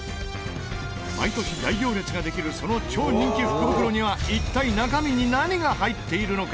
毎年、大行列ができるその超人気福袋には一体、中身に何が入っているのか？